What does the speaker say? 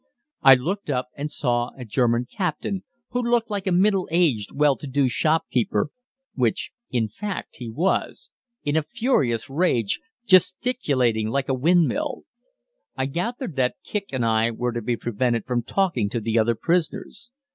I looked up and saw a German captain, who looked like a middle aged well to do shopkeeper (which in fact he was), in a furious rage, gesticulating like a windmill. I gathered that Kicq and I were to be prevented from talking to the other prisoners.